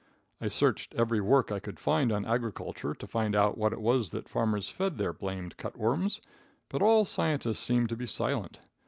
I searched every work I could find on agriculture to find out what it was that farmers fed their blamed cut worms, but all scientists seemed to be silent.